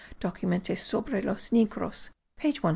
Documentes sobre los Negros page 121.)